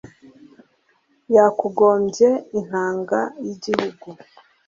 yakugombye intanga y'igihugu